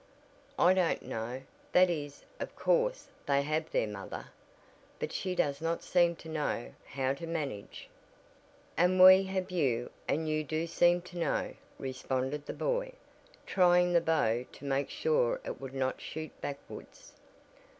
"I don't know that is of course they have their mother, but she does not seem to know how to manage." "And we have you and you do seem to know," responded the boy, trying the bow to make sure it would not shoot backwards.